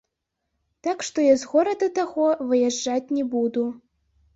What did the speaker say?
Так што я з горада таго выязджаць не буду.